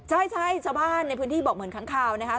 ใช่ชาวบ้านในพื้นที่บอกเหมือนค้างคาวนะครับ